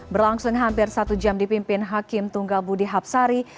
berlangsung hampir satu jam dipimpin hakim tunggal budi hapsari